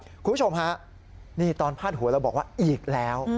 คุณผู้ชมฮะนี่ตอนพาดหัวเราบอกว่าอีกแล้ว